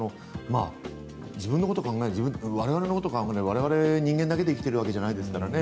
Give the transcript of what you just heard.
自分のことを考えると我々のことを考えると我々人間だけで生きているわけじゃないですからね。